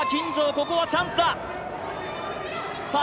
ここはチャンスださあ